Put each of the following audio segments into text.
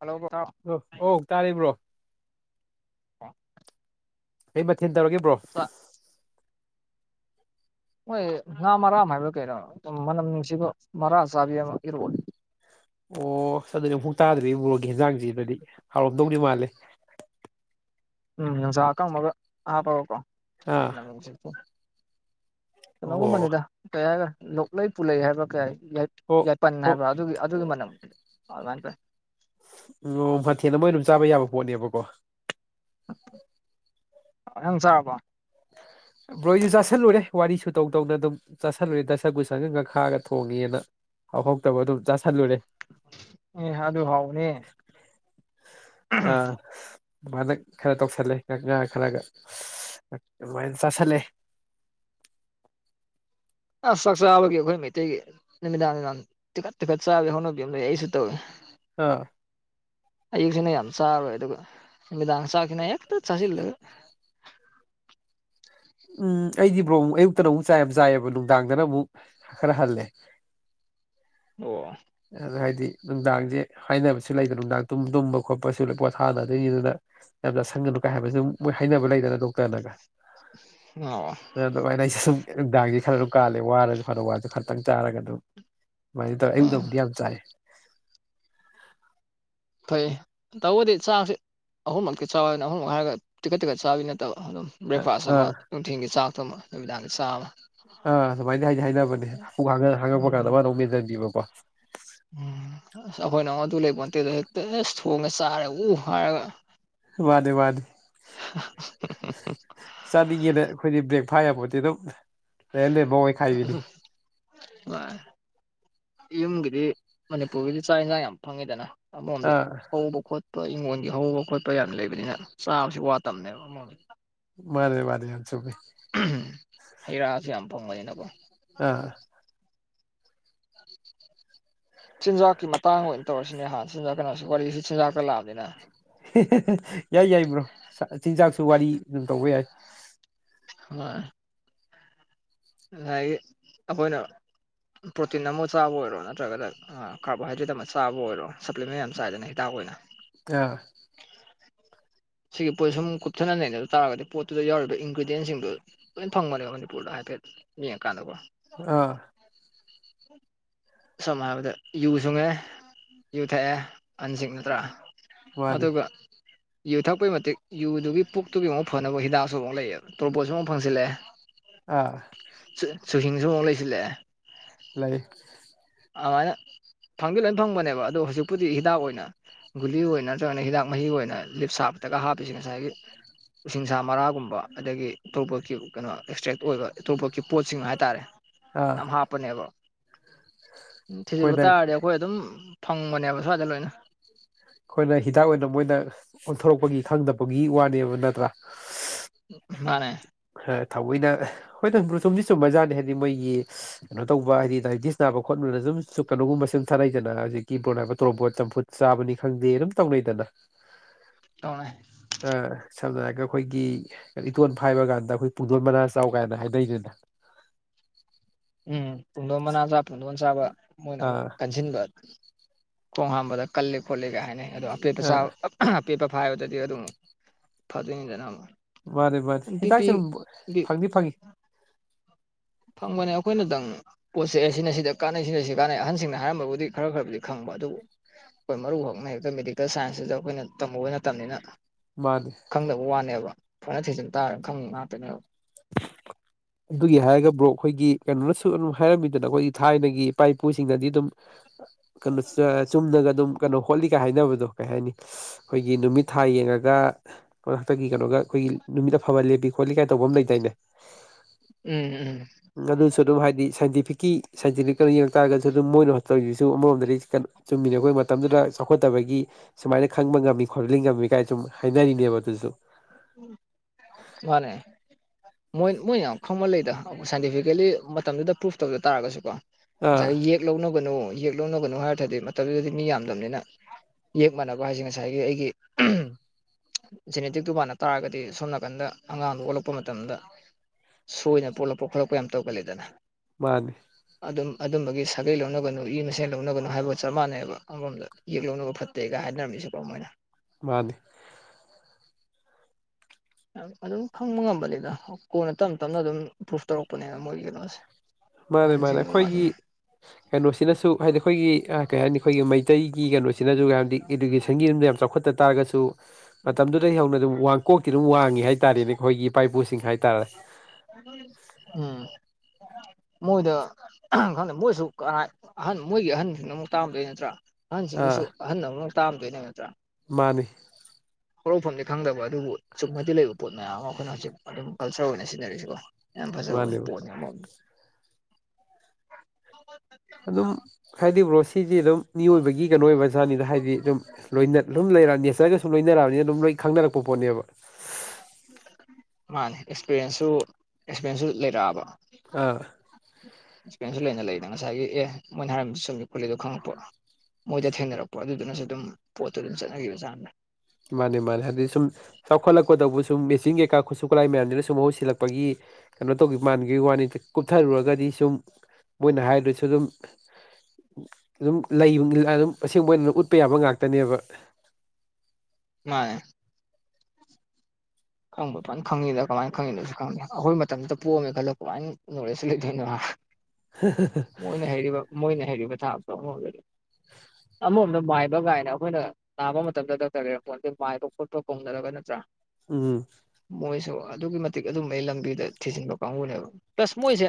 Hello [unintelligible] ꯑꯣ ꯑꯣ ꯇꯥꯔꯤꯕ꯭ꯔꯣ [unintelligible] ꯀꯩ ꯃꯊꯦꯜ ꯇꯧꯔꯒꯦ ꯕ꯭ꯔꯣ [unintelligible] ꯃꯣꯏ ꯉꯥ ꯃꯔꯥꯝ ꯍꯥꯏꯕꯔ ꯀꯩꯅꯣ ꯃꯅꯝ ꯅꯨꯡꯁꯤꯕ ꯃꯔꯥ ꯆꯥꯕꯤ ꯑꯃ ꯏꯔꯣꯜꯂꯦ ꯑꯣ ꯑꯗꯨꯗꯤ ꯑꯝꯐꯧ ꯇꯥꯗ꯭ꯔꯤ ꯕ꯭ꯔꯣꯒꯤ ꯍꯦꯟꯖꯥꯡꯖꯤ ꯑꯗꯨꯗꯤ ꯍꯥꯎꯔꯝꯗꯧꯗꯤ ꯃꯥꯜꯂꯦ ꯎꯝ ꯅꯨꯡꯆꯥ ꯑꯀꯪꯕꯒ ꯑꯍꯞꯄꯒꯀꯣ ꯑꯥ ꯃꯅꯝ ꯅꯨꯡꯁꯤꯕ ꯑꯣ ꯀꯩꯅꯣꯒꯨꯝꯕꯅꯤꯗ ꯀꯩ ꯍꯥꯏꯗꯣꯏꯅꯣ ꯂꯣꯛꯂꯩ ꯄꯨꯂꯩ ꯍꯥꯏꯕ ꯀꯔꯤ ꯌꯥꯏ ꯑꯣ ꯄꯟ ꯑꯣ ꯍꯥꯏꯕ꯭ꯔꯥ ꯑꯗꯨꯒꯤ ꯑꯗꯨꯒꯤ ꯃꯅꯝ ꯑꯗꯨꯃꯥꯏꯅ ꯇꯧꯋꯦ ꯂꯣ ꯃꯊꯦꯜ ꯑꯃ ꯑꯣꯏꯅ ꯑꯗꯨꯝ ꯆꯥꯕ ꯌꯥꯕ ꯄꯣꯠꯅꯦꯕꯀꯣ ꯅꯪ ꯆꯥꯔꯕꯣ [inaudible] ꯕ꯭ꯔꯣ ꯑꯩꯁꯨ ꯆꯥꯁꯤꯜꯂꯨꯔꯦ ꯋꯥꯔꯤ ꯁꯨ ꯇꯧ ꯇꯧꯅ ꯑꯗꯨꯝ ꯆꯥꯁꯤꯜꯂꯨꯔꯦ ꯗꯁ ꯒꯨꯁꯒ ꯉꯥꯈꯒ ꯊꯣꯡꯉꯤꯅ ꯍꯧꯕ ꯍꯧꯇꯕ ꯑꯗꯨꯝ ꯆꯥꯥꯁꯜꯂꯨꯔꯦ ꯑꯦ ꯑꯗꯨ ꯍꯥꯎꯕꯅꯦ ꯑ ꯗꯨꯃꯥꯏꯅ ꯈꯔ ꯇꯧꯁꯜꯂꯦ ꯉꯥ ꯈꯔꯒ ꯑꯗꯨꯃꯥꯏ ꯆꯁꯜꯂꯦ ꯑꯁ ꯆꯥꯛ ꯆꯥꯕꯒꯤ ꯑꯩꯈꯣꯏ ꯃꯩꯇꯩꯒꯤ ꯅꯨꯃꯤꯗꯥꯡꯌꯥꯝ ꯇꯤꯀꯠ ꯇꯤꯀꯠ ꯆꯥꯕꯤ ꯍꯧꯅꯕꯤ ꯑꯃ ꯂꯩꯌꯦ ꯑꯩꯁꯨ ꯇꯧꯋꯦ ꯑꯥ ꯑꯌꯨꯛꯁꯤꯅ ꯌꯥꯝ ꯆꯥꯔꯣꯏ ꯑꯗꯨꯒ ꯅꯨꯃꯤꯗꯥꯡ ꯆꯥꯛꯁꯤꯅ ꯍꯦꯛꯇ ꯆꯥꯁꯤꯜꯂꯒ ꯎꯝ ꯑꯩꯗꯤ ꯕ꯭ꯔꯣ ꯑꯃꯨꯛ ꯑꯌꯨꯛꯇꯅꯃꯨꯛ ꯆꯥꯏ ꯌꯥꯝ ꯆꯥꯏꯑꯕ ꯅꯨꯡꯗꯥꯡꯗꯅ ꯑꯃꯨꯛ ꯈꯔ ꯍꯜꯂꯦ ꯑꯣ ꯑꯗꯣ ꯍꯥꯏꯗꯤ ꯅꯨꯡꯗꯥꯡꯖꯦ ꯍꯥꯏꯅꯕꯁꯨ ꯂꯩꯗꯅ ꯅꯨꯡꯗꯥꯡ ꯇꯨꯝ ꯇꯨꯝꯕ ꯈꯣꯠꯄꯁꯨ ꯄꯣꯊꯥꯅꯗꯣꯏꯅꯤ ꯑꯗꯨꯅ ꯌꯥꯝ ꯆꯁꯜꯒꯅꯨ ꯀꯥꯏ ꯍꯥꯏꯕꯁꯨ ꯃꯣꯏ ꯍꯥꯏꯅꯕ ꯂꯩꯗꯦꯅ ꯗꯣꯛꯇꯔꯅꯒ ꯑꯧ ꯑꯗꯨ ꯑꯗꯨꯃꯥꯏꯅ ꯑꯩꯁꯦ ꯁꯨꯝ ꯅꯨꯡꯗꯥꯡꯁꯦ ꯈꯔ ꯑꯗꯨꯝ ꯀꯥꯜꯂꯦ ꯋꯥꯔꯁꯨ ꯐꯔ ꯋꯥꯁꯨ ꯈꯔꯛꯇꯪ ꯆꯥꯔꯒ ꯑꯗꯨꯝ ꯑꯗꯨꯃꯥꯏ ꯇꯧꯋꯦ ꯎꯝ ꯑꯌꯨꯛꯇꯕꯨꯗꯤ ꯌꯥꯝ ꯆꯥꯏ ꯐꯩꯌꯦ ꯇꯧꯕꯗꯤ ꯆꯥꯛꯁꯦ ꯑꯍꯨꯝꯃꯛꯇꯤ ꯆꯥꯎꯑꯅ ꯑꯍꯨꯝꯃꯨꯛ ꯍꯥꯏꯔꯒ ꯇꯤꯛꯀꯠ ꯇꯤꯛꯀꯠ ꯆꯥꯕꯤ ꯅꯠꯇꯕ ꯑꯗꯨꯝ ꯕ꯭ꯔꯦꯛꯐꯥꯁ ꯑꯃ ꯑꯥ ꯅꯨꯡꯊꯤꯟꯒꯤ ꯆꯥꯛꯇ ꯑꯃ ꯅꯨꯃꯤꯗꯥꯡꯒꯤ ꯆꯥꯛ ꯑꯃ ꯑ ꯑꯗꯨꯃꯥꯏ ꯍꯥꯏꯗꯤ ꯍꯥꯏꯅꯕꯅꯦ ꯄꯨꯛ ꯍꯥꯡ ꯍꯥꯡꯉꯛꯄ ꯀꯥꯟꯗ ꯎꯝ ꯑꯃꯅ ꯑꯃꯨꯛ ꯃꯦꯟꯁꯤꯟꯕꯤꯕꯀꯣ ꯎꯝ ꯑꯁ ꯑꯩꯈꯣꯏꯅ ꯑꯃꯨꯛ ꯑꯗꯨ ꯂꯩꯄꯣꯟꯇꯦꯗ ꯍꯦꯛꯇ ꯑꯁ ꯊꯣꯡꯉꯦ ꯆꯥꯔꯦ ꯎ ꯍꯥꯏꯔꯒ ꯋꯥꯗ ꯋꯥꯗ [unintelligible] ꯆꯥꯅꯤꯡꯉꯦꯅ ꯑꯩꯈꯣꯏꯗꯤ ꯕ꯭ꯔꯦꯛꯐꯥꯁ ꯌꯥꯕꯗꯤ ꯑꯗꯨꯝ ꯂꯩꯔ ꯂꯩꯔꯝꯕ ꯑꯣꯏꯈꯥꯏꯕꯤꯅꯤ ꯑ ꯍꯣꯏ ꯌꯨꯝꯒꯤꯗꯤ ꯃꯅꯤꯄꯨꯔꯒꯤꯗꯤ ꯆꯥꯛ ꯌꯦꯟꯁꯥꯡ ꯌꯥꯝ ꯐꯪꯉꯤꯗꯅ ꯝꯗ ꯑꯥ ꯍꯧꯕ ꯈꯣꯠ ꯍꯤꯡꯈꯣꯟꯒꯤ ꯍꯧꯕ ꯈꯣꯠꯄ ꯌꯥꯝꯅ ꯂꯩꯕꯅꯤꯅ ꯆꯥꯕꯁꯤ ꯋꯥꯠꯇꯕꯅꯦꯕ ꯑꯃ ꯃꯥꯅꯦ ꯃꯥꯅꯦ ꯌꯥꯝ ꯆꯨꯝꯃꯦ ꯍꯩ ꯔꯥꯁꯨ ꯌꯥꯝ ꯐꯪꯕꯅꯤꯅꯀꯣ ꯑ ꯆꯤꯟꯖꯥꯛꯀꯤ ꯃꯇꯥꯡ ꯑꯣꯏꯅ ꯇꯧꯔꯁꯤꯅꯦ ꯍꯥ ꯆꯤꯟꯖꯥꯛ ꯀꯅꯥꯁꯨ ꯋꯥꯔꯤꯁꯤ ꯆꯤꯟꯖꯥꯛꯇ ꯂꯥꯛꯑꯕꯅꯤꯅ ꯌꯥꯏ ꯌꯥꯏꯕ꯭ꯔꯣ ꯆꯤꯟꯖꯥꯛꯁꯨ ꯋꯥꯔꯤ ꯑꯗꯨꯝ ꯇꯧꯕ ꯌꯥꯏ ꯍꯣꯏ ꯉꯁꯥꯏꯒꯤ ꯑꯩꯈꯣꯏꯅ ꯄ꯭ꯔꯣꯇꯤꯟ ꯑꯃ ꯆꯥꯕ ꯑꯣꯏꯔꯣ ꯅꯠꯇ꯭ꯔꯒꯗ ꯑ ꯀꯥꯔꯕꯣꯍꯥꯏꯗ꯭ꯔꯦꯠ ꯑꯃ ꯆꯥꯕ ꯑꯣꯏꯔꯣ ꯁꯄ꯭ꯂꯤꯃꯦꯟ ꯌꯥꯝ ꯆꯥꯏꯗꯅ ꯍꯤꯗꯥꯛ ꯑꯣꯏꯅ ꯑ [unintelligible] ꯁꯤꯒꯤ ꯄꯣꯠꯁꯦ ꯁꯨꯝ ꯀꯨꯞꯊꯅ ꯅꯩꯅꯕ ꯑꯗꯨꯝ ꯇꯥꯔꯒꯗꯤ ꯄꯣꯠꯇꯨꯗ ꯌꯥꯎꯧꯔꯤꯕ ꯏꯟꯒ꯭ꯔꯤꯗꯤꯌꯦꯟꯁꯤꯡꯗꯨ ꯂꯣꯏ ꯐꯪꯕꯅꯦꯕ ꯃꯅꯤꯄꯨꯔꯗ ꯍꯥꯏꯐꯦꯠ ꯌꯦꯡꯉꯀꯥꯟꯗꯀꯣ ꯑꯥ [unintelligible] ꯁꯃ ꯍꯥꯏꯕꯗ ꯌꯨ ꯁꯨꯡꯉꯦ ꯌꯨꯊꯛꯑꯦ ꯑꯍꯟꯁꯤꯡ ꯅꯠꯇ꯭ꯔꯥ ꯃꯥꯅꯤ ꯑꯗꯨꯒ ꯌꯨ ꯊꯛꯄꯒꯤ ꯃꯇꯤꯛ ꯌꯨꯗꯨꯒꯤ ꯄꯨꯛꯇꯨꯒꯤ ꯑꯃꯨꯛ ꯐꯅꯕ ꯍꯤꯗꯥꯛꯁꯨ ꯑꯃꯨꯛ ꯂꯩꯌꯦꯕ ꯇꯣꯔꯄꯣꯠꯁꯨ ꯑꯃꯨꯛ ꯐꯪꯁꯤꯜꯂꯛꯑꯦ ꯑ ꯆꯨꯁꯤꯡꯁꯨ ꯑꯃꯨꯛ ꯂꯩꯁꯤꯜꯂꯛꯑꯦ ꯂꯩ ꯑꯗꯨꯃꯥꯏꯅ ꯐꯪꯗꯤ ꯂꯣꯏ ꯐꯪꯕꯅꯦꯕ ꯑꯗꯣ ꯍꯧꯖꯤꯛꯄꯨꯗꯤ ꯍꯤꯗꯥꯛ ꯑꯣꯏꯅ ꯒꯨꯂꯤ ꯑꯣꯏꯅ ꯅꯠꯇ꯭ꯔꯒꯅ ꯍꯤꯗꯥꯛ ꯃꯍꯤ ꯑꯣꯏꯅ ꯂꯤꯞ ꯁꯥꯞꯇꯒ ꯍꯥꯞꯄꯤꯁꯤ ꯉꯁꯥꯏꯒꯤ ꯎꯁꯤꯡꯁꯥ ꯃꯔꯥꯒꯨꯝꯕ ꯑꯗꯒꯤ ꯑꯇꯣꯞꯄꯣꯠꯀꯤ ꯀꯩꯅꯣ ꯑꯦꯛꯁꯇ꯭ꯔꯦꯛ ꯑꯣꯏꯕ ꯏꯇꯣꯞꯄꯣꯠꯀꯤ ꯄꯣꯠꯁꯤꯡ ꯍꯥꯏꯇꯥꯔꯦ ꯅꯝ ꯑꯥ ꯍꯥꯄꯅꯦꯕ ꯎ ꯊꯤꯖꯤꯜꯂꯨ ꯑꯩꯈꯣꯏꯅ ꯇꯥꯔꯗꯤ ꯑꯩꯈꯣꯏ ꯑꯗꯨꯝ ꯐꯪꯕꯅꯦꯕ ꯁ꯭ꯋꯥꯏꯗ ꯂꯣꯏꯅ ꯑꯩꯈꯣꯏꯅ ꯍꯤꯗꯥꯛ ꯑꯣꯏꯅ ꯃꯣꯏꯅ ꯑꯣꯟꯊꯣꯔꯛꯄꯒꯤ ꯈꯪꯗꯕꯒꯤ ꯋꯥꯅꯦꯕ ꯅꯠꯇ꯭ꯔꯥ ꯃꯥꯅꯦ ꯊꯑꯣꯏꯅ ꯍꯣꯏ ꯔꯨꯊꯨꯝꯗꯤ ꯆꯨꯝꯕꯖꯥꯠꯅꯤ ꯍꯥꯏꯗꯤ ꯃꯣꯏꯒꯤ ꯀꯩꯅꯣ ꯇꯧꯕ ꯍꯥꯏꯗꯤ ꯗꯥꯏꯕꯦꯇꯤꯁ ꯅꯥꯕ ꯈꯣꯠꯅꯕꯅ ꯁꯨꯝ ꯀꯣꯒꯨꯝꯕ ꯁꯨꯝ ꯊꯛꯅꯩꯗꯅ ꯍꯧꯖꯤꯛꯀꯤ ꯅꯥꯕ ꯇꯣꯔꯣꯄꯣꯠ ꯆꯝꯐꯨꯠ ꯆꯥꯕꯅꯤ ꯈꯪꯗꯦ ꯑꯗꯨꯝ ꯇꯧꯅꯩꯗꯅ ꯇꯧꯅꯩ ꯑ ꯁꯝꯅ ꯍꯥꯏꯔꯣꯒ ꯑꯩꯈꯣꯏꯒꯤ ꯏꯇꯣꯟ ꯐꯥꯏꯕ ꯀꯥꯟꯗ ꯑꯗ ꯑꯩꯈꯣꯏ ꯄꯨꯡꯗꯣꯟ ꯃꯅꯥ ꯆꯥꯎ ꯀꯥꯏꯅ ꯍꯥꯏꯅꯩꯅꯤꯅ ꯎꯝ ꯄꯨꯡꯗꯣꯟ ꯃꯅꯥ ꯆꯥꯕ ꯄꯨꯡꯗꯣꯟ ꯆꯥꯕ ꯃꯣꯏꯅ ꯑꯃꯨꯛ ꯑꯥ ꯀꯟꯁꯤꯟꯕ ꯈꯣꯡ ꯍꯥꯝꯕꯗ ꯀꯜꯂ ꯈꯣꯠꯂꯤ ꯀꯥꯏ ꯍꯥꯏꯅꯩ ꯑꯗꯣ ꯑꯄꯦꯠꯕ ꯑꯥ ꯆꯥꯕ ꯄꯦꯠꯕ ꯐꯥꯏꯕ ꯇꯗꯤ ꯑꯗꯨꯨ ꯐꯠꯇꯗ ꯃꯥꯅꯤ ꯃꯥꯅꯤ ꯍꯤꯗꯥꯛꯁꯦ ꯑꯗꯨ ꯐꯪꯗꯤ ꯐꯪꯏꯤ ꯐꯪꯕꯅꯦ ꯑꯩꯈꯣꯏꯅꯇꯪ ꯄꯣꯠ ꯆꯩꯁꯦ ꯁꯤꯅ ꯁꯤꯗ ꯀꯥꯟꯅꯩꯁꯤꯅ ꯁꯤꯗ ꯀꯥꯥꯟꯅꯩ ꯑꯍꯟꯁꯤꯡꯅ ꯍꯥꯏꯔꯝꯕꯕꯨꯗꯤ ꯈꯔ ꯈꯔꯕꯨꯗꯤ ꯈꯪꯕ ꯑꯗꯨꯕꯨ ꯑꯩꯈꯣꯏ ꯃꯔꯨ ꯍꯣꯛꯅ ꯍꯦꯛꯇꯥ ꯃꯦꯗꯤꯀꯦꯜ ꯁꯥꯏꯟꯁꯁꯤꯗ ꯑꯩꯈꯣꯏꯅ ꯇꯝꯃꯨꯕ ꯅꯠꯇꯥꯝꯅꯤꯝꯅ ꯃꯥꯅꯤ ꯈꯪꯗꯕ ꯋꯥꯅꯦꯕ ꯐꯖꯅ ꯊꯤꯖꯤꯟ ꯇꯥꯔꯒ ꯈꯪꯕ ꯉꯥꯛꯇꯅꯦꯕ [inaudible] ꯑꯗꯨꯒꯤ ꯍꯥꯏꯔꯒ ꯕ꯭ꯔꯣ ꯑꯩꯈꯣꯏꯒꯤ ꯀꯩꯅꯣꯅꯁꯨ ꯑꯗꯨꯝ ꯍꯥꯏꯔꯝꯃꯤꯗꯅ ꯑꯩꯈꯣꯏꯒꯤ ꯊꯥꯏꯅꯒꯤ ꯏꯄꯥ ꯏꯄꯨꯁꯤꯡꯅꯗꯤ ꯑꯗꯨꯝ [inaudible] ꯀꯩꯅꯣ ꯆꯨꯝꯅꯒ ꯑꯗꯨꯝ ꯀꯩꯅꯣ ꯍꯣꯠꯂꯤꯒ ꯍꯥꯏꯅꯕꯗꯣ ꯀꯩ ꯍꯥꯏꯅꯤ ꯑꯩꯈꯣꯏꯒꯤ ꯅꯨꯃꯤꯠ ꯊꯥ ꯌꯦꯡꯉꯒ ꯈꯣꯏ ꯍꯟꯇꯛꯒꯤ ꯀꯩꯅꯣꯒ ꯑꯩꯈꯣꯏꯒꯤ ꯅꯨꯃꯤꯠ ꯑꯐꯕ ꯂꯦꯞꯄꯤ ꯈꯣꯠꯂꯤ ꯀꯥꯏ ꯇꯧꯕ ꯑꯃ ꯂꯩꯗꯥꯏꯅꯦ ꯎꯝ ꯎꯝ ꯑꯗꯨꯁꯨ ꯑꯗꯨꯝ ꯍꯥꯏꯗꯤ ꯁꯥꯏꯟꯇꯤꯐꯤꯛꯀꯤ ꯁꯥꯏꯟꯇꯤꯅꯤꯀꯔ ꯌꯦꯡꯉ ꯇꯥꯔꯒꯖꯨ ꯑꯗꯨꯝ ꯃꯣꯏꯅ [unintelligible] ꯑꯃꯔꯣꯝꯗꯗꯤ ꯆꯨꯝꯃꯤꯅꯦ ꯑꯈꯣꯏ ꯃꯇꯝꯗꯨꯗ ꯆꯥꯎꯈꯠꯇꯕꯒꯤ ꯁꯨꯃꯥꯏꯅ ꯈꯪꯕ ꯉꯝꯃꯤ ꯈꯣꯠꯂꯤ ꯉꯝꯃꯤ ꯉꯥꯏ ꯁꯨꯝ ꯍꯥꯏꯅꯔꯤꯅꯦꯕ ꯑꯗꯨꯖꯨ ꯃꯥꯅꯦ ꯃꯣꯏ ꯃꯣꯏ ꯌꯥꯝ ꯈꯪꯕ ꯂꯩꯗ ꯁꯥꯏꯟꯇꯤꯐꯤꯀꯦꯜꯂꯤ ꯃꯇꯝꯗꯨꯗ ꯄ꯭ꯔꯨꯐ ꯇꯧꯗ ꯇꯥꯔꯒꯥꯁꯨꯀꯣ ꯑꯥ ꯉꯁꯥꯏꯒꯤ ꯌꯦꯛ ꯂꯧꯅꯒꯅꯨ ꯌꯦꯛ ꯂꯧꯅꯒꯅꯨ ꯍꯥꯏꯔ ꯊꯗꯤ ꯃꯇꯝꯗꯨꯗꯗꯤ ꯃꯤ ꯌꯥꯝꯗꯕꯅꯤꯅ ꯌꯦꯛ ꯃꯥꯟꯅꯕ ꯍꯥꯏꯖꯦ ꯉꯁꯥꯏꯒꯤ ꯑꯩꯒꯤ ꯎꯝ ꯖꯦꯅꯦꯇꯤꯛꯇꯨ ꯃꯥꯥꯟꯅ ꯇꯥꯔꯒꯗꯤ ꯁꯣꯝ ꯅꯥꯀꯟꯗ ꯑꯉꯥꯡꯗꯨ ꯑꯣꯜꯂꯛꯄ ꯃꯇꯝꯗ ꯁꯣꯏꯅ ꯄꯣꯛꯂꯛꯄ ꯈꯣꯠꯂꯛꯄ ꯌꯥꯝ ꯇꯧꯒꯜꯂꯤꯗꯅ ꯃꯥꯅꯤ ꯑꯗꯨꯝ ꯑꯗꯨꯝꯕꯒꯤ ꯁꯥꯒꯩ ꯂꯧꯅꯒꯅꯨ ꯏ ꯃꯁꯦꯟ ꯂꯧꯅꯒꯅꯨ ꯍꯥꯏꯕ ꯆꯞ ꯃꯥꯟꯅꯩꯕ ꯑꯃꯔꯣꯝꯗ ꯌꯦꯛ ꯂꯧꯅꯕ ꯐꯠꯇꯦꯒ ꯍꯥꯏꯅꯔꯝꯃꯤꯁꯤꯀꯣ ꯃꯣꯏꯅ ꯃꯥꯅꯤ ꯑꯗꯨꯝ ꯈꯪꯕ ꯉꯝꯕꯅꯤꯗ ꯀꯣꯟꯅ ꯇꯞ ꯇꯞꯅ ꯑꯗꯨꯝ ꯄ꯭ꯔꯨꯐ ꯇꯧꯔꯛꯄꯅꯦꯕ ꯃꯣꯏꯒꯤ ꯀꯩꯅꯣꯁꯦ ꯃꯥꯅꯦ ꯃꯥꯅꯦ ꯑꯍꯟꯁꯤꯡꯒꯤ ꯑꯈꯣꯏꯒꯤ [inaudible] ꯀꯩꯅꯣꯁꯤꯅꯁꯨ ꯍꯥꯏꯗꯤ ꯑꯈꯣꯏꯒꯤ ꯑꯥ ꯀꯩ ꯍꯥꯏꯅꯤ ꯑꯈꯣꯏꯒꯤ ꯃꯩꯇꯩꯒꯤ ꯀꯩꯅꯣꯁꯤꯅꯖꯨ ꯍꯥꯏꯕꯗꯤ ꯏꯗꯨꯀꯦꯁꯟꯒꯤꯗ ꯌꯥꯝ ꯆꯥꯎꯈꯠꯇꯥ ꯇꯥꯔꯒꯁꯨ ꯃꯇꯝꯗꯨꯗꯩ ꯍꯧꯅ ꯑꯗꯨꯝ ꯋꯥꯡ ꯀꯣꯛꯇꯤ ꯑꯗꯨꯝ ꯋꯥꯡꯉꯤ ꯍꯥꯏꯇꯥꯔꯦꯅꯦ ꯑꯈꯣꯏꯒꯤ ꯏꯄꯥ ꯏꯄꯨꯁꯤꯡ ꯍꯥꯏꯇꯥꯔꯦ ꯎꯝ ꯃꯣꯏꯗ ꯑꯥ ꯈꯪꯗꯦ ꯃꯣꯏꯁꯨ ꯀꯥ ꯑꯍꯟ ꯃꯣꯏꯒꯤ ꯑꯍꯟꯁꯤꯡꯅ ꯑꯃꯨꯛ ꯇꯥꯛꯑꯝꯗꯣꯏ ꯅꯠꯇ꯭ꯔꯥ ꯑꯍꯟꯁꯤꯡꯗꯨꯁꯨ ꯑꯥ ꯑꯍꯟ ꯑꯃꯅ ꯇꯥꯑꯝꯗꯣꯏꯅꯦ ꯅꯠꯇ꯭ꯔꯥ ꯃꯥꯅꯤ ꯍꯧꯔꯛꯐꯝꯗꯤ ꯈꯪꯗꯕ ꯑꯗꯨꯕꯨ ꯆꯨꯝꯃꯗꯤ ꯂꯩꯕ ꯄꯣꯠ ꯃꯌꯥꯝ ꯑꯃ ꯑꯩꯈꯣꯏꯅ ꯍꯧꯖꯤꯛ ꯑꯗꯨꯝ ꯀꯜꯆꯔ ꯑꯣꯏꯅ ꯁꯤꯖꯤꯟꯅꯔꯤꯁꯤꯀꯣ ꯌꯥꯝ ꯐꯖꯕ ꯃꯥꯅꯤ ꯄꯣꯠꯅꯤ ꯑꯃꯔꯣꯝ ꯑꯗꯨꯝ ꯍꯥꯏꯗꯤ ꯕ꯭ꯔꯣ ꯁꯤꯗꯤ ꯑꯗꯨꯝ ꯃꯤꯑꯣꯏꯕꯒꯤ ꯀꯩꯅꯣ ꯑꯣꯏꯕ ꯖꯥꯠꯅꯤꯗ ꯍꯥꯏꯗꯤ ꯑꯗꯨꯝ ꯂꯣꯏꯅ ꯑꯗꯨꯝ ꯂꯩꯔ ꯅꯦꯆꯔꯒ ꯁꯨꯝ ꯂꯣꯏꯅꯔꯛꯑꯕꯅꯤꯅ ꯑꯗꯨꯝ ꯂꯣꯏ ꯈꯪꯅꯔꯛꯄ ꯄꯣꯠꯅꯦꯕ ꯃꯥꯅꯦ ꯑꯦꯛꯁꯄꯤꯔꯦꯟꯁꯁꯨ ꯑꯦꯛꯁꯄꯤꯔꯦꯟꯁꯁꯨ ꯂꯩꯔꯛꯑꯕ ꯑꯥ ꯑꯦꯛꯁꯄꯤꯔꯦꯟꯁꯁꯨ ꯂꯩꯅ ꯂꯩꯅ ꯉꯁꯥꯏꯒꯤ ꯑꯦ ꯃꯣꯏꯅ ꯍꯥꯏꯔꯝꯕꯗꯨ ꯑꯦ ꯆꯨꯃꯤ ꯈꯣꯂꯤꯗꯣ ꯈꯪꯉꯛꯄ ꯃꯣꯏꯗ ꯊꯦꯡꯅꯔꯛꯄ ꯑꯗꯨꯗꯨꯅꯁꯨ ꯑꯗꯨꯝ ꯄꯣꯠꯇꯨ ꯑꯗꯨꯝ ꯆꯠꯅꯒꯤꯕ ꯖꯥꯅꯤꯗ ꯃꯥꯅꯦ ꯃꯥꯅꯤ ꯍꯥꯏꯗꯤ ꯁꯨꯝ ꯆꯥꯎꯈꯠꯂꯛꯀꯗꯧꯕ ꯁꯨꯝ ꯃꯦꯆꯤꯟ ꯀꯩꯀꯥ ꯈꯨꯠꯁꯨ ꯈꯨꯠꯂꯥꯏ ꯃꯌꯥꯝꯖꯤꯅ ꯁꯨꯝ ꯃꯍꯨꯠ ꯁꯤꯜꯂꯛꯄꯒꯤ ꯀꯩꯅꯣ ꯇꯧꯒꯤ ꯃꯥꯟꯒꯤ ꯋꯥꯅꯤ ꯀꯨꯞꯊꯔꯨꯔꯒꯗꯤ ꯁꯨꯝ ꯃꯣꯏꯅ ꯍꯥꯏꯔꯤꯗꯨꯁꯨ ꯗꯨꯝ ꯑꯗꯨꯝ ꯂꯩ ꯑꯗꯨꯝ ꯑꯁꯦꯡꯕ ꯑꯣꯏꯅ ꯎꯠꯄ ꯌꯥꯕ ꯉꯥꯛꯇꯅꯦꯕ ꯃꯥꯅꯦ ꯈꯪꯕꯥ ꯐꯟ ꯈꯪꯉꯤꯗ ꯀꯃꯥꯏꯅ ꯈꯪꯉꯤꯅꯣꯁꯨ ꯈꯪꯗꯦ꯫ ꯑꯈꯣꯏ ꯃꯇꯝꯗꯨꯇ ꯄꯣꯛꯑꯝꯃꯦ ꯈꯜꯂꯣ ꯀꯃꯥꯏꯅ ꯅꯣꯂꯦꯖꯁꯨ ꯂꯩꯗꯣꯏꯅꯣ ꯍꯥ ꯃꯣꯏꯅ ꯍꯩꯔꯤꯕ ꯃꯣꯏꯅ ꯍꯩꯔꯤꯕ ꯊꯥꯛꯇꯣ ꯑꯃꯔꯣꯝꯗꯗꯤ ꯑꯃꯔꯣꯝꯗ ꯃꯥꯏꯕ ꯒꯥꯏꯅ ꯑꯈꯣꯏꯅ ꯅꯥꯕ ꯃꯇꯝꯗ ꯗꯥꯛꯇꯔ ꯂꯩꯔꯝꯄꯣꯟꯇꯦ ꯃꯥꯏꯕ ꯈꯣꯠꯄ ꯀꯧꯅꯔꯒ ꯅꯠꯇ꯭ꯔꯥ ꯎꯝ ꯃꯣꯏꯁꯨ ꯑꯗꯨꯛꯀꯤ ꯃꯇꯤꯛ ꯑꯗꯨꯝꯕꯩ ꯂꯝꯕꯤꯗ ꯊꯤꯖꯤꯟꯕ ꯀꯥꯡꯕꯨꯅꯦꯕ ꯄ꯭ꯂꯁ ꯃꯣꯏꯖꯦ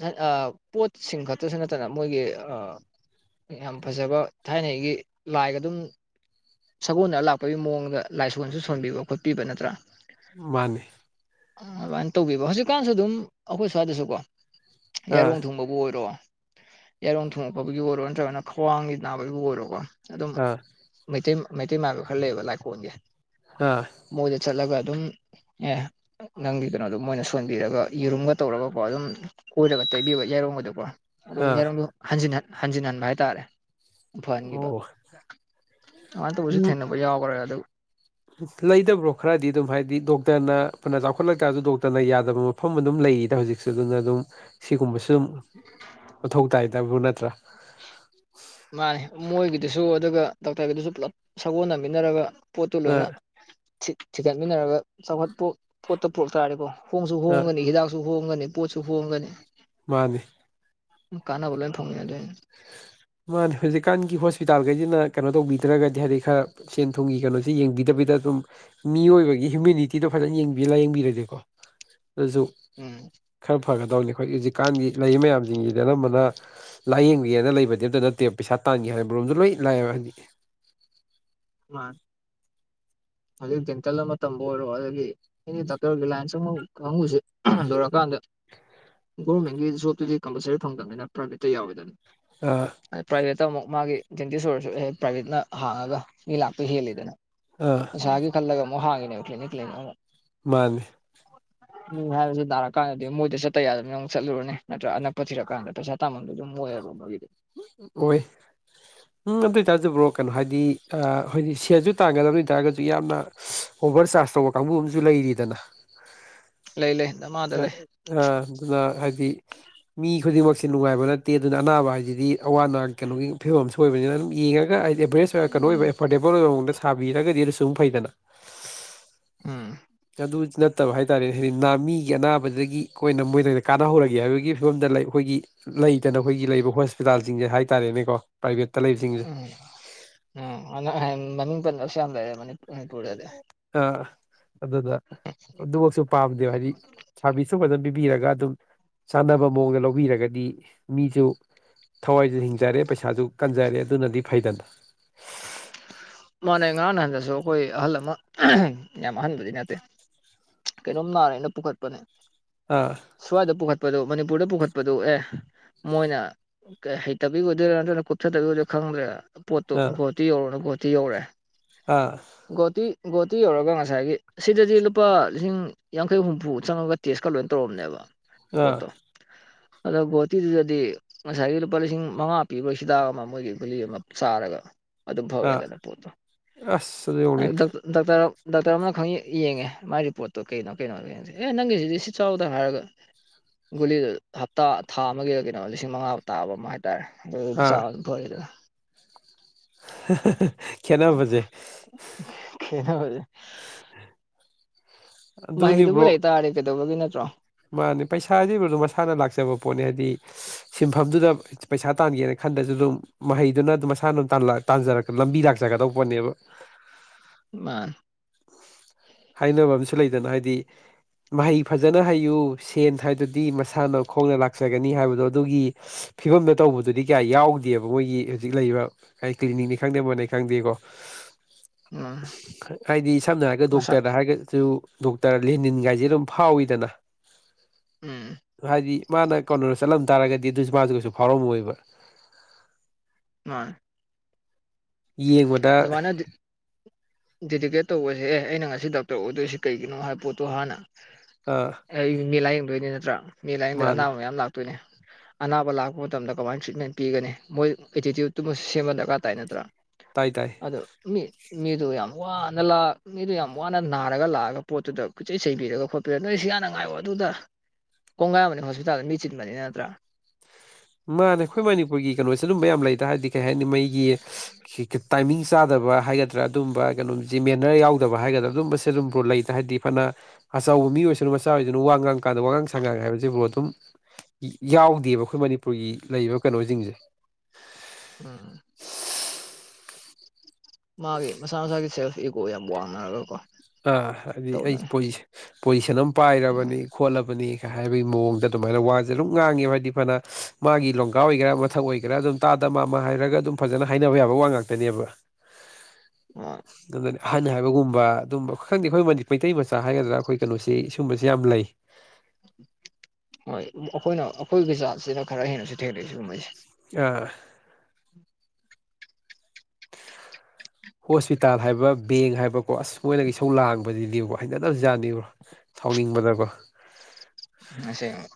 ꯅꯠ ꯑꯥ ꯄꯣꯠꯁꯤꯡ ꯈꯇꯁꯨ ꯅꯠꯇꯅ ꯃꯣꯏꯒꯤ ꯑꯥ ꯌꯥꯝ ꯐꯖꯕ ꯊꯥꯏꯅꯒꯩꯒꯤ ꯂꯥꯏꯒ ꯑꯗꯨꯝ ꯁꯥꯒꯣꯜꯅꯔ ꯂꯥꯛꯄꯒꯤ ꯃꯑꯣꯡꯗ ꯂꯥꯏꯁꯣꯟꯁꯨ ꯁꯣꯟꯕꯤꯕ ꯈꯣꯠꯄꯤꯕ ꯅꯠꯇ꯭ꯔꯥ ꯃꯥꯅꯤ ꯑꯗꯨꯃꯥꯏꯅ ꯇꯧꯒꯤꯕ ꯍꯧꯖꯤꯛꯀꯥꯟꯁꯨ ꯑꯗꯨꯝ ꯑꯈꯣꯏ ꯁ꯭ꯋꯥꯏꯗꯁꯨꯀꯣ ꯑꯥ ꯌꯥꯏꯔꯣꯡ ꯊꯨꯡꯕ ꯕꯨ ꯑꯣꯏꯔꯣ ꯌꯥꯏꯔꯣꯡ ꯊꯨꯉꯛꯄꯒꯤꯕꯨ ꯑꯣꯏꯔꯣ ꯅꯠꯇ꯭ꯔꯒꯅ ꯈ꯭ꯋꯥꯡꯒꯤ ꯅꯥꯕꯩꯕꯨ ꯑꯣꯏꯔꯣꯀꯣ ꯑꯗꯨꯝ ꯑꯥ ꯃꯩꯇꯩ ꯃꯩꯇꯩ ꯃꯥꯏꯕ ꯈꯔ ꯂꯩꯕ ꯂꯥꯏꯀꯣꯟꯒꯤ ꯑꯥ ꯃꯣꯏꯗ ꯆꯠꯂꯒ ꯑꯗꯨꯝ ꯑꯦ ꯅꯪꯒꯤ ꯀꯩꯅꯣꯗꯨ ꯃꯣꯏꯅ ꯁꯣꯟꯕꯤꯔꯒ ꯌꯦꯔꯨꯝꯒ ꯇꯧꯔꯒꯀꯣ ꯑꯗꯨꯝ ꯀꯣꯏꯔꯒ ꯇꯩꯕꯤꯕ ꯌꯥꯏꯔꯣꯡ ꯋꯥꯏꯗꯀꯣ ꯑꯗꯨꯝ ꯑꯥ ꯌꯥꯏꯔꯣꯡꯗꯣ ꯍꯟꯖꯤꯟꯍꯟ ꯍꯟꯖꯤꯟ ꯍꯟꯕ ꯍꯥꯏꯇꯥꯔꯦ ꯐꯍꯟꯒꯤꯕ ꯑꯣ ꯑꯗꯨꯃꯥꯏꯅ ꯇꯧꯕꯁꯨ ꯊꯦꯡꯅꯕ ꯌꯥꯎꯒ꯭ꯔꯦ ꯑꯗꯨ ꯂꯩꯗ ꯕ꯭ꯔꯣ ꯈꯔꯗꯤ ꯑꯗꯨꯝ ꯍꯥꯏꯗꯤ ꯗꯣꯛꯇꯔꯅ ꯐꯅ ꯆꯥꯎꯈꯠꯂꯛꯇꯥꯁꯨ ꯗꯣꯛꯇꯔꯅ ꯌꯥꯗꯕ ꯃꯐꯝ ꯑꯗꯨꯝ ꯂꯩꯔꯤꯗ ꯍꯧꯖꯤꯛꯁꯨ ꯑꯗꯨꯅ ꯑꯗꯨꯝ ꯁꯤꯒꯨꯝꯕ ꯁꯨꯝ ꯃꯊꯧ ꯇꯥꯏꯗ ꯕꯨ ꯅꯠꯇ꯭ꯔꯥ ꯃꯥꯅꯦ ꯃꯣꯏꯒꯤꯗꯨꯁꯨ ꯑꯗꯨꯒ ꯗꯣꯛꯇꯔꯒꯤꯗꯨꯁꯨ ꯄꯨꯂꯞ ꯁꯥꯒꯣꯟꯅꯃꯤꯟꯅꯔꯒ ꯄꯣꯠꯇꯨ ꯂꯣꯏꯅ ꯑꯥ ꯊꯤ ꯊꯤꯒꯠꯃꯤꯟꯅꯔꯒ ꯆꯥꯎꯈꯠꯄ ꯄꯣꯠꯇꯨ ꯄꯨꯔꯛ ꯇꯥꯔꯗꯤꯀꯣ ꯍꯣꯡꯁꯨ ꯑꯥ ꯍꯣꯡꯒꯅꯤ ꯍꯤꯗꯥꯛꯁꯨ ꯍꯣꯡꯒꯅꯤ ꯄꯣꯠꯁꯨ ꯍꯣꯡꯒꯅꯤ ꯃꯥꯅꯤ ꯎꯝ ꯀꯥꯟꯅꯕ ꯂꯣꯏꯅ ꯐꯪꯃꯤꯟꯅꯗꯣꯏꯅꯤ ꯃꯥꯅꯤ ꯍꯧꯖꯤꯛꯀꯥꯟꯒꯤ ꯍꯣꯁꯄꯤꯇꯥꯜꯈꯩꯁꯤꯅ ꯀꯩꯅꯣ ꯇꯧꯕꯤꯗ꯭ꯔꯒꯗꯤ ꯍꯥꯏꯗꯤ ꯈꯔ ꯁꯦꯟ ꯊꯨꯝꯒꯤ ꯀꯩꯅꯣꯁꯤ ꯌꯦꯡꯕꯤꯗꯕꯤꯗ ꯑꯗꯨꯝ ꯃꯤꯑꯣꯏꯕꯒꯤ ꯍ꯭ꯌꯨꯃꯤꯅꯤꯇꯤꯗꯣ ꯐꯖꯅ ꯌꯦꯡꯕꯤ ꯂꯥꯏꯌꯦꯡꯕꯤꯔꯗꯤꯀꯣ ꯑꯗꯨꯁꯨ ꯎꯝ ꯈꯔ ꯐꯒꯗꯧꯅꯤ ꯑꯩꯈꯣꯏ ꯍꯧꯖꯤꯛꯀꯥꯟꯒꯤ ꯂꯩꯔꯤ ꯃꯌꯥꯝꯖꯤꯡꯖꯤꯗꯤ ꯑꯅꯝꯕꯅ ꯂꯥꯏꯌꯦꯡ ꯕꯤꯒꯦꯅ ꯂꯩꯕꯗꯤ ꯑꯝꯇ ꯅꯠꯇꯦꯕ ꯄꯩꯁꯥ ꯇꯥꯟꯒꯦ ꯍꯥꯏꯕ ꯔꯣꯝꯗꯣ ꯂꯣꯏ ꯂꯥꯛꯑꯦꯕ ꯍꯥꯏꯗꯤ ꯃꯥꯅꯤ ꯍꯧꯖꯤꯛ ꯖꯦꯟꯇꯜ ꯑꯃ ꯇꯝꯕ ꯑꯣꯏꯔꯣ ꯑꯗꯨꯒꯤ ꯑꯦꯅꯤ ꯗꯥꯛꯇꯔꯒꯤ ꯂꯥꯏꯟꯁ [unintelligible] ꯀꯥꯡꯉꯨꯁꯦ ꯌꯧꯔꯛꯑꯀꯥꯟꯗ ꯒꯣꯕꯔꯃꯦꯟꯒꯤ ꯖꯣꯕꯇꯨꯗꯤ ꯀꯝꯄꯜꯁꯔꯤ ꯐꯪꯗꯝꯕꯅꯤꯅ ꯄ꯭ꯔꯥꯏꯚꯦꯠꯇ ꯌꯥꯎꯋꯦꯗꯅ ꯑ ꯑꯗ ꯄ꯭ꯔꯥꯏꯚꯦꯠꯇ ꯑꯃꯨꯛ ꯃꯥꯒꯤ ꯗꯦꯟꯇꯤꯁ ꯑꯣꯏꯔꯁꯨ ꯑꯦꯍꯦ ꯄ꯭ꯔꯥꯏꯚꯦꯠꯅ ꯍꯥꯡꯉꯒ ꯃꯤ ꯂꯥꯛꯄ ꯍꯦꯜꯂꯤꯗꯅ ꯑꯥ ꯄꯩꯁꯥꯒꯤ ꯈꯜꯂꯒ ꯑꯃꯨꯛ ꯍꯥꯡꯉꯤꯅꯦꯕ ꯀ꯭ꯂꯤꯅꯤꯛ ꯀ꯭ꯂꯤꯅꯤꯛ ꯑꯃꯨꯛ ꯃꯥꯅꯤ [inaudible] [unintelligible] ꯍꯥꯏꯕꯁꯨ ꯅꯥꯔꯛ ꯀꯥꯟꯗꯗꯤ ꯃꯣꯏꯗ ꯆꯠꯇ ꯌꯥꯗꯕꯅꯤꯅ ꯑꯃꯨꯛ ꯆꯠꯂꯨꯔꯅꯤ ꯅꯠꯇ꯭ꯔꯥ ꯑꯅꯛꯄ ꯊꯤꯔꯛ ꯀꯥꯟꯗ ꯄꯩꯁꯥ ꯇꯥꯃꯝꯗꯨ ꯑꯗꯨꯝ ꯑꫭꯏꯑꯕ ꯃꯣꯏꯒꯤꯗꯤ ꯑꫭꯏ ꯎꯝ ꯑꯗꯨ ꯑꯣꯏꯇꯥꯖꯨ ꯕ꯭ꯔꯣ ꯀꯩꯅꯣ ꯍꯥꯏꯗꯤ ꯑꯥ ꯍꯣꯏꯗꯤ ꯁꯦꯜꯁꯨ ꯇꯥꯟꯒꯗꯕꯅꯤ ꯑꯗꯨ ꯑꯣꯏꯇꯥꯔꯒꯖꯨ ꯌꯥꯝꯅ ꯑꯣꯚꯔ ꯆꯥꯔꯖ ꯇꯧꯕ ꯀꯥꯡꯕꯨ ꯑꯃꯁꯨ ꯂꯩꯔꯤꯗꯅ ꯂꯩ ꯂꯩ ꯗꯃꯥꯗ ꯂꯩ ꯑ ꯑꯗꯨꯅ ꯍꯥꯏꯗꯤ ꯃꯤ ꯈꯨꯗꯤꯡꯃꯛꯁꯦ ꯅꯨꯡꯉꯥꯏꯕ ꯅꯠꯇꯦ ꯑꯗꯨꯅ ꯑꯅꯥꯕ ꯍꯥꯏꯁꯤꯗꯤ ꯑꯋꯥ ꯑꯅꯥ ꯀꯩꯅꯣꯒꯤ ꯐꯤꯕꯝ ꯑꯃꯁꯨ ꯑꯣꯏꯕꯅꯤꯅ ꯑꯗꯨꯝ ꯌꯦꯡꯉꯒ ꯑꯦꯕꯔꯦꯁ ꯑꯣꯏ ꯀꯩꯅꯣ ꯑꯣꯏꯕ ꯎꯝ ꯑꯦꯐꯣꯔꯗꯦꯕꯜ ꯑꯣꯏꯕ ꯃꯑꯣꯡꯗ ꯁꯥꯕꯤꯔꯒꯗꯤ ꯑꯗꯨ ꯁꯨꯝ ꯐꯩꯗꯅ ꯎꯝ ꯑꯗꯨ ꯅꯠꯇꯕ ꯍꯥꯏꯇꯥꯔꯦ ꯍꯥꯏꯗꯤ ꯃꯤꯒꯤ ꯑꯅꯥꯕꯗꯒꯤ ꯑꯩꯈꯣꯏꯅ ꯃꯣꯏꯗꯒꯤ ꯀꯥꯟꯅꯍꯧꯔꯒꯦ ꯍꯥꯏꯕꯒꯤ ꯐꯤꯕꯝꯗ ꯂꯩ ꯑꯩꯈꯣꯏꯒꯤ ꯂꯩꯇꯅ ꯑꯩꯈꯣꯏꯒꯤ ꯂꯩꯕ ꯍꯣꯁꯄꯤꯇꯥꯜꯁꯤꯡꯁꯦ ꯍꯥꯏꯇꯥꯔꯦꯅꯦꯀꯣ ꯄ꯭ꯔꯥꯏꯚꯦꯠꯇ ꯂꯩꯕꯁꯤꯡꯁꯦ ꯎꯝ ꯎꯝ ꯅꯪ ꯍꯥꯢꯗꯣ ꯃꯃꯤꯡ ꯄꯟꯗ꯭ꯔꯁꯨ ꯌꯥꯝ ꯂꯩꯔꯦ ꯃꯅꯤ ꯃꯅꯤꯄꯨꯔꯗꯗꯤ ꯑꯥ ꯑꯗꯨꯅ ꯑꯗꯨꯃꯛꯁꯨ ꯄꯥꯝꯗꯦꯕ ꯍꯥꯏꯗꯤ ꯁꯥꯕꯤꯁꯁꯨ ꯐꯖꯅ ꯄꯤꯕꯤꯔꯒ ꯑꯗꯨꯝ ꯆꯥꯟꯅꯕ ꯃꯑꯣꯡꯗ ꯂꯧꯕꯤꯔꯒꯗꯤ ꯃꯤꯁꯨ ꯊꯋꯥꯏꯁꯨ ꯍꯤꯡꯖꯔꯦ ꯄꯩꯁꯥꯁꯨ ꯀꯟꯖꯔꯦ ꯑꯗꯨꯅꯗꯤ ꯐꯩꯗꯅ ꯃꯥꯅꯦ ꯉꯔꯥꯡ ꯅꯍꯥꯟꯗꯁꯨ ꯑꯩꯈꯣꯏ ꯑꯍꯜ ꯑꯃ ꯌꯥꯝ ꯑꯍꯟꯕꯨꯗꯤ ꯅꯠꯇꯦ ꯀꯩꯅꯣꯝ ꯅꯥꯔꯦꯅ ꯄꯨꯈꯠꯄꯅꯦ ꯑꯥ ꯁ꯭ꯋꯥꯏꯗ ꯄꯨꯈꯠꯄꯗꯨ ꯃꯅꯤꯄꯨꯔꯗ ꯄꯨꯈꯠꯄꯗꯨ ꯑꯦ ꯃꯣꯏꯅ ꯀꯩ ꯍꯩꯇꯕꯩ ꯑꯣꯏꯗꯣꯏꫪꯥ ꯅꯠꯇ꯭ꯔꯒ ꯀꯨꯞꯊꯗꯩꯕꯩ ꯑꯣꯏꯗꯣꯢꯔꯥ ꯈꯪꯗ꯭ꯔꯦ ꯄꯣꯠꯇꯣ ꯑꯥ ꯒꯨꯋꯥꯇꯤ ꯌꯥꯎꯔꯣꯅ ꯒꯨꯋꯥꯇꯤ ꯌꯧꯔꯦ ꯑꯥ ꯒꯨꯋꯥꯇꯤ ꯒꯨꯋꯥꯇꯤ ꯌꯧꯔꯒ ꯉꯁꯥꯏꯒꯤ ꯁꯤꯗꯗꯤ ꯂꯨꯄꯥ ꯂꯤꯁꯤꯡ ꯌꯥꯡꯈꯩ ꯍꯨꯝꯐꯨ ꯆꯪꯉꯒ ꯇꯦꯁꯀ ꯂꯣꯏꯅ ꯇꯧꯔꯝꯅꯦꯕ ꯑꯥ ꯄꯣꯠꯇꯣ ꯑꯗꯣꯒ ꯒꯨꯋꯥꯇꯨꯗꯗꯤ ꯉꯁꯥꯏꯒꯤ ꯂꯨꯄꯥ ꯂꯤꯁꯤꯡ ꯃꯉꯥ ꯄꯤꯕ ꯍꯤꯗꯥꯛ ꯑꯃ ꯃꯣꯏꯒꯤ ꯒꯂꯤ ꯑꯃ ꯆꯥꯔꯒ ꯑꯗꯨꯝ ꯑꯥ ꯐꯥꯒ꯭ꯔꯦꯗꯅ ꯄꯣꯠꯇꯣ ꯑꯁ ꯑꯗꯨ [unintelligible] ꯌꯦꯡꯉꯨꯅꯦ ꯗꯣꯛꯇꯔ ꯗꯥꯛꯇꯔ ꯑꯃꯅ ꯈꯪ ꯌꯦꯡꯉꯦ ꯃꯥ ꯔꯤꯄꯣꯔꯠꯇꯣ ꯀꯩꯅꯣ ꯀꯩꯅꯣꯒꯤ ꯑꯦ ꯅꯪꯒꯤꯁꯤꯗꯤ ꯁꯤ ꯆꯥꯎꯗ ꯍꯥꯏꯔꯒ ꯒꯨꯂꯤꯗꯨ ꯍꯞꯇꯥ ꯊꯥ ꯑꯃꯒꯤꯗ ꯀꯩꯅꯣ ꯂꯤꯁꯤꯡ ꯃꯉꯥꯐꯥꯎ ꯇꯥꯕ ꯑꯃ ꯍꯥꯏꯇꯥꯔꯦ ꯑꯗꯨꯝ ꯆꯥꯔꯁꯨ ꯐꯔꯦꯗꯅ ꯈꯦꯟꯅꯕꯁꯦ ꯈꯦꯠꯅꯕꯁꯦ ꯃꯍꯩꯗꯨꯕꯨ ꯂꯩꯇꯥꯥꯔꯗꯤ ꯀꯩꯗꯧꯕꯒꯤ ꯅꯠꯇ꯭ꯔꯣ ꯃꯥꯅꯦ ꯄꯩꯁꯥꯁꯤꯗꯤ ꯃꯁꯥꯅ ꯂꯥꯛꯆꯕ ꯄꯣꯠꯅꯤ ꯍꯥꯏꯗꯤ ꯁꯤꯟꯐꯝꯗꯨꯗ ꯄꯩꯁꯥ ꯇꯥꯟꯒꯦꯅ ꯈꯟꯗ꯭ꯔꯁꯨ ꯑꯗꯨꯝ ꯃꯍꯩꯗꯨꯅ ꯑꯗꯨꯝ ꯃꯁꯥꯅ ꯑꯗꯨꯝ ꯇꯥꯟꯖꯔꯛ ꯂꯝꯕꯤ ꯂꯥꯛꯆꯒꯗꯧꯕ ꯄꯣꯠꯅꯦꯕ ꯃꯥꯅꯦ ꯍꯥꯏꯅꯕ ꯑꯃꯁꯨ ꯂꯩꯗꯅ ꯍꯥꯏꯗꯤ ꯃꯍꯩ ꯐꯖꯅ ꯍꯩꯌꯨ ꯁꯦꯟ ꯍꯥꯏꯗꯨꯗꯤ ꯃꯁꯥꯅ ꯈꯣꯡꯅ ꯂꯥꯛꯆꯒꯅꯤ ꯍꯥꯏꯕꯗꯣ ꯑꯗꯨꯒꯤ ꯐꯤꯕꯝꯗ ꯇꯧꯕꯗꯨꯗꯤ ꯀꯌꯥ ꯌꯥꯎꯗꯦꯕ ꯃꯣꯏꯒꯤ ꯍꯧꯖꯤꯛ ꯂꯩꯔꯤꯕ ꯑꯩ ꯀ꯭ꯂꯤꯅꯤꯛꯅꯤ ꯈꯪꯗꯦ [unintelligible] ꯈꯪꯗꯦꯀꯣ [inaudible] ꯍꯥꯏꯗꯤ ꯁꯝꯅ ꯍꯥꯏꯔꯒ ꯃꯁꯥ ꯗꯣꯛꯇꯔꯗ ꯍꯥꯏꯔꯒꯁꯨ ꯗꯣꯛꯇꯔ ꯂꯦꯅꯤꯟꯒꯥꯏꯁꯦ ꯑꯗꯨꯝ ꯐꯥꯎꯋꯤꯗꯅ ꯎꯝ ꯍꯥꯏꯗꯤ ꯃꯥꯅ ꯀꯣꯅꯔꯗ ꯆꯠꯂꯝ ꯇꯥꯔꯒꯗꯤ ꯑꯗꯨꯁꯨ ꯃꯥꯁꯨ ꯀꯩꯁꯨ ꯐꯥꯎꯔꯝꯃꯣꯏꯕ ꯃꯥꯅꯤ ꯌꯦꯡꯕ ꯑꯗꯨꯃꯥꯢꯅꯗꯤ ꯗꯦꯗꯤꯀꯦꯠ ꯇꯧꯕꯁꯦ ꯑꯦ ꯑꯩꯅ ꯉꯁꯤ ꯗꯥꯛꯇꯔ ꯑꯣꯏꯗꯣꯏꯁꯤ ꯀꯩꯒꯤꯅꯣ ꯍꯥꯏꯕ ꯄꯣꯠꯇꯣ ꯍꯥꯟꯅ ꯑꯥ ꯑꯩ ꯃꯦ ꯂꯥꯏꯌꯦꯡꯗꯣꯏꯅꯦ ꯅꯠꯇ꯭ꯔꯥ ꯃꯦꯂꯥꯏꯌꯦꯡꯗꯣꯏ ꯑꯅꯥꯕ ꯃꯌꯥꯝ ꯂꯥꯛꯇꯣꯏꯅꯦ ꯑꯅꯥꯕ ꯂꯥꯛꯄ ꯃꯇꯝꯗ ꯀꯃꯥꯏꯅ ꯇ꯭ꯔꯤꯠꯃꯦꯟ ꯄꯤꯒꯅꯤ ꯃꯣꯏ ꯑꯦꯇꯤꯇ꯭ꯌꯨꯠꯇꯨꯃꯁꯨ ꯁꯦꯝꯕ ꯗꯔꯀꯥꯔ ꯇꯥꯏ ꯅꯠꯇ꯭ꯔꯥ ꯇꯥꯏ ꯇꯥꯏ ꯑꯗꯣ ꯃꯤ ꯃꯤꯗꯨ ꯌꯥꯝ ꯋꯥꯅ ꯂꯛ ꯃꯤꯗꯨ ꯌꯥꯝ ꯋꯥꯅ ꯅꯥꯔꯒ ꯂꯥꯛꯑꯒ ꯄꯣꯠꯇꯨꯗ ꯈꯨꯆꯩ ꯁꯩꯕꯤꯔꯒꯣꯠꯄ ꯅꯣꯏ ꯁꯤ ꯌꯥꯝꯅ ꯉꯥꯏꯑꯣ ꯑꯗꯨꯗ ꯀꯣꯡꯒꯥꯏ ꯑꯃꯅꯤ ꯍꯣꯁꯄꯤꯇꯥꯜꯗ ꯃꯤ ꯆꯤꯟꯕꯅꯤꯅ ꯅꯠꯇ꯭ꯔꯥ ꯃꯥꯅꯦ ꯑꯩꯈꯣꯏ ꯃꯅꯤꯄꯨꯔꯒꯤ ꯀꯩꯅꯣꯁꯦ ꯑꯗꯨꯝꯕ ꯌꯥꯝ ꯂꯩꯗ ꯍꯥꯏꯔꯗꯤ ꯀꯩ ꯍꯥꯏꯅꯤ ꯃꯩꯒꯤ ꯇꯥꯏꯃꯤꯡ ꯆꯥꯗꯕ ꯍꯥꯏꯒꯗ꯭ꯔꯥ ꯑꯗꯨꯝꯕ ꯀꯩꯅꯣꯝꯁꯦ ꯃꯦꯅꯔ ꯌꯥꯎꯗꯕ ꯍꯥꯏꯒꯗ꯭ꯔꯥ ꯑꯗꯨꯝꯕꯁꯦ ꯑꯗꯨꯝꯕꯨ꯭ꯔꯣ ꯂꯩꯇ ꯍꯥꯏꯗꯤ ꯐꯅ ꯑꯆꯧꯕ ꯃꯤ ꯑꯣꯏꯁꯅꯨ ꯃꯆꯥ ꯑꯣꯏꯁꯅꯨ ꯋꯥ ꯉꯥꯡ ꯀꯥꯟꯗ ꯋꯥꯉꯥꯡ ꯁꯉꯥꯡ ꯍꯥꯏꯕꯁꯤꯕꯨ ꯑꯗꯨꯝ ꯌꯥꯎꯗꯦꯕ ꯑꯩꯈꯣꯏ ꯃꯅꯤꯄꯨꯔꯒꯤ ꯂꯩꯔꯤꯕ ꯀꯩꯅꯣꯁꯤꯡꯁꯦ ꯑꯨꯝ ꯃꯥꯒꯤ ꯃꯁꯥ ꯃꯁꯥꯒꯤ ꯁꯦꯜꯐ ꯏꯀꯣ ꯌꯥꯝ ꯋꯥꯡꯅꯔꯒꯀꯣ ꯑꯥ ꯍꯥꯏꯗꯤ ꯑꯩ ꯇꯧꯅꯔꯦ ꯄꯣꯖꯤꯁꯟ ꯄꯣꯖꯤꯁꯟ ꯑꯃ ꯎꯝ ꯄꯥꯏꯔꯕꯅꯤ ꯈꯣꯠꯂꯕꯅꯤ ꯍꯥꯏꯕꯒꯤ ꯃꯑꯣꯡꯗ ꯑꯗꯨꯃꯥꯏꯅ ꯋꯥꯁꯦ ꯑꯗꯨꯝ ꯉꯥꯡꯉꯦꯕ ꯍꯥꯏꯗꯤ ꯐꯅ ꯃꯥꯒꯤ ꯂꯣꯡꯀ ꯑꯣꯏꯒꯦꯔꯥ ꯃꯊꯛ ꯑꯣꯏꯒꯦꯔꯥ ꯑꯗꯨꯝ ꯇꯇꯥꯗ ꯃꯥꯝꯃ ꯍꯥꯏꯔꯒ ꯑꯗꯨꯝ ꯐꯖꯅ ꯍꯥꯏꯅꯕ ꯌꯥꯕ ꯋꯥ ꯉꯥꯛꯇꯅꯦꯕ [unintelligible] ꯑꯗꯨꯒ ꯍꯥꯏꯅ ꯍꯥꯏꯕ ꯒꯨꯝꯕ ꯑꯗꯨꯝꯕ ꯈꯪꯗꯦ ꯑꯩꯈꯣꯏ ꯃꯗꯤ ꯃꯩꯇꯩ ꯃꯆꯥ ꯍꯥꯏꯒꯗ꯭ꯔꯥ ꯑꯩꯈꯣꯏ ꯀꯩꯅꯣꯁꯤꯒꯨꯝꯕꯁꯤ ꯌꯥꯝ ꯂꯩ ꯍꯣꯏ ꯑꯩꯈꯣꯏꯅ ꯑꯩꯈꯣꯏꯒꯤ ꯖꯥꯠꯁꯤꯅ ꯈꯔ ꯍꯦꯟꯅꯁꯨ ꯊꯦꯡꯅꯛꯏ ꯁꯤꯒꯨꯝꯕꯩꯁꯦ ꯑ ꯍꯣꯁꯄꯤꯇꯥꯜ ꯍꯥꯏꯕ ꯕꯦꯡ ꯍꯥꯏꯕꯀꯣ ꯑꯁ ꯃꯣꯏꯅꯒ ꯏꯁꯧ ꯂꯥꯡꯕꯗꯨꯅꯦꯕ ꯍꯩꯅꯗꯕꯁꯠꯅꯤꯕꯣ ꯊꯥꯎꯅꯤꯡꯕꯗꯀꯣ ꯑꯁꯦꯛꯕ